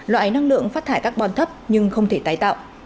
loại năng lượng phát thải các bòn thấp nhưng không thể tái tạo